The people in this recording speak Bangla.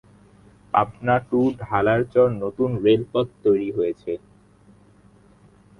পাবনা টু ঢালারচর নতুন রেলপথ তৈরী হয়েছে।